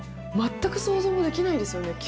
まったく想像もできないですよね。